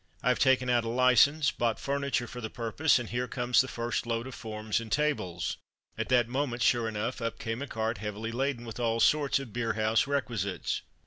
I have taken out a license, bought furniture for the purpose, and here comes the first load of forms and tables" (at that moment, sure enough, up came a cart heavily laden with all sorts of beer house requisites).